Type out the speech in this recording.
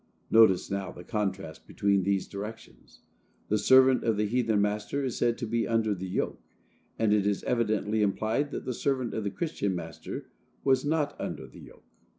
Notice, now, the contrast between these directions. The servant of the heathen master is said to be under the yoke, and it is evidently implied that the servant of the Christian master was not under the yoke.